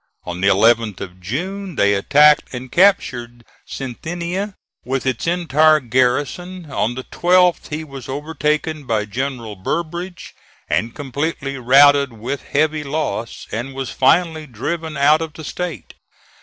On the 11th of June they attacked and captured Cynthiana, with its entire garrison. On the 12th he was overtaken by General Burbridge, and completely routed with heavy loss, and was finally driven out of the State.